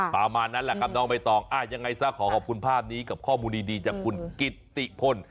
ประมาณนั้นแหละครับน้องใบตองยังไงซะขอขอบคุณภาพนี้กับข้อมูลดีจากคุณกิตติพล